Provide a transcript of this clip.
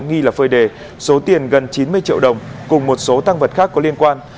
nghi là phơi đề số tiền gần chín mươi triệu đồng cùng một số tăng vật khác có liên quan